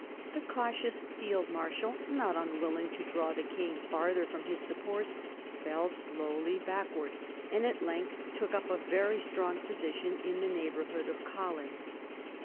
The cautious field 1757 60 THE SEVEN YEABS' WAR 137 marshal, not unwilling to draw the king farther from his supports, fell slowly backward, and at length took up a very strong position in the neighbourhood of Kolin.